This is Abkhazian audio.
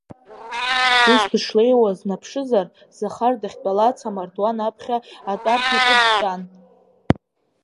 Ус дышлеиуаз днаԥшызар, Захар дахьтәалац амардуан аԥхьа атәарҭаҿы дтәан.